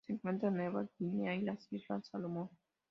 Se encuentran en Nueva Guinea y las Islas Salomón.